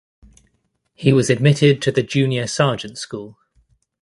He was admitted to the junior sergeant school.